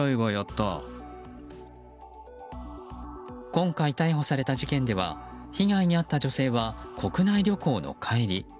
今回逮捕された事件では被害に遭った女性は国内旅行の帰り。